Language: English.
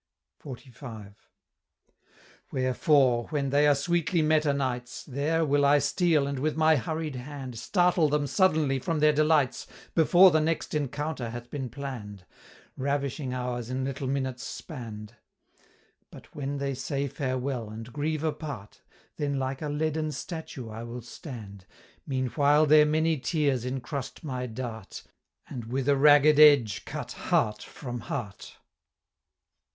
XLV. "Wherefore, when they are sweetly met o' nights, There will I steal and with my hurried hand Startle them suddenly from their delights Before the next encounter hath been plann'd, Ravishing hours in little minutes spann'd; But when they say farewell, and grieve apart, Then like a leaden statue I will stand, Meanwhile their many tears encrust my dart, And with a ragged edge cut heart from heart."